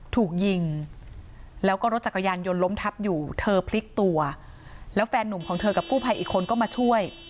ถูกยิงแล้วก็รถจักรยานยนต์ล้มทับอยู่เธอพลิกตัวแล้วแฟนนุ่มของเธอกับกู้ภัยอีกคนก็มาช่วย